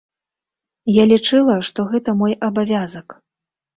Я лічыла, што гэта мой абавязак.